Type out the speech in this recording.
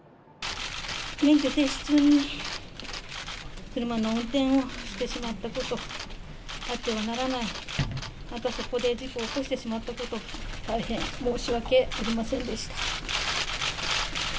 免許停止中に車の運転をしてしまったこと、あってはならない、またそこで事故を起こしてしまったこと、大変申し訳ありませんでした。